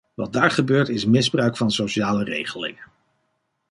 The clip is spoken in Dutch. Wat daar gebeurt is misbruik van sociale regelingen.